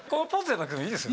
いいです。